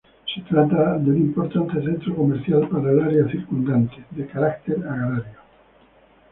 Se trata de un importante centro comercial para el área circundante, de caracter agrario.